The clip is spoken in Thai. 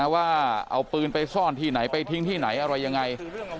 ว่าเอาปืนไปซ่อนที่ไหนไปทิ้งที่ไหนอะไรยังไง